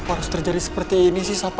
apa harus terjadi seperti ini sih sapa